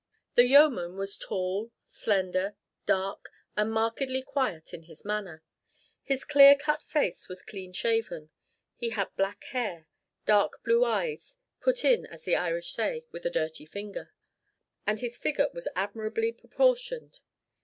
The yeoman was tall, slender, dark and markedly quiet in his manner. His clear cut face was clean shaven; he had black hair, dark blue eyes, put in as the Irish say with a dirty finger, and his figure was admirably proportioned.